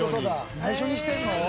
内緒にしてるの？